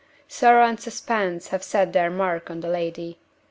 Sorrow and suspense have set their mark on the lady.